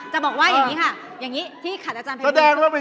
จะบอกว่าอย่างนี้ค่ะที่ขัดอาจารย์ไภบุญ